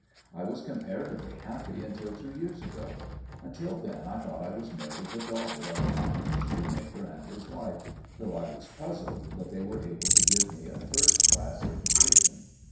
I was comparatively happy until two years ago. Until then I thought I was merely the daughter of an honest shoemaker and his wife, though I was puzzled that they were able to give me a first class education.